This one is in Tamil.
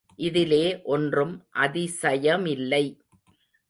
இதிலே ஒன்றும் அதிசயமில்லை.